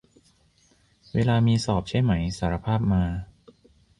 เวลามีสอบใช่ไหม สารภาพมา